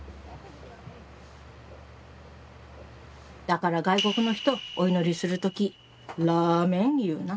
「だから外国の人お祈りする時『ラーメン』言うな」。